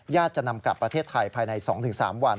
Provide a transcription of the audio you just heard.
จะนำกลับประเทศไทยภายใน๒๓วัน